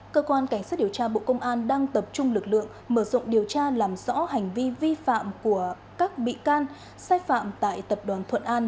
cơ quan cảnh sát điều tra bộ công an đang tập trung lực lượng mở rộng điều tra làm rõ hành vi vi phạm của các bị can sai phạm tại tập đoàn thuận an